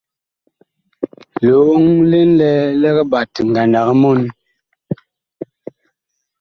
Lioŋ li ŋlɛɛ lig ɓat ngandag mɔni.